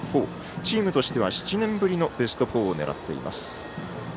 チームとしては７年ぶりのベスト４を狙っています。